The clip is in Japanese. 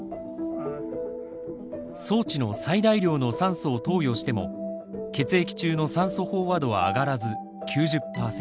装置の最大量の酸素を投与しても血液中の酸素飽和度は上がらず９０％。